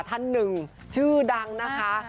ท่านหนึ่งชื่อดังนะคะ